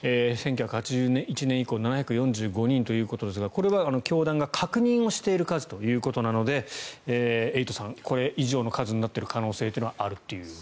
１９８１年以降７４５人ということですがこれは教団が確認をしている数ということなのでエイトさん、これ以上の数になっている可能性はあると。